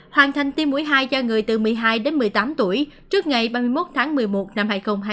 hoàn thành tiêm mũi hai cho người từ một mươi hai đến một mươi tám tuổi trước ngày ba mươi một tháng một mươi một năm hai nghìn hai mươi